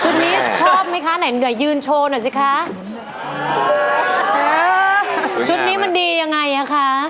นี้ชอบไหมคะไหนเหนือยืนโชว์หน่อยสิคะชุดนี้มันดียังไงอ่ะคะ